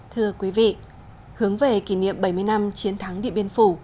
thưa quý vị hướng về kỷ niệm bảy mươi năm chiến thắng điện biên phủ